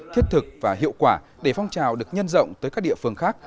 thiết thực và hiệu quả để phong trào được nhân rộng tới các địa phương khác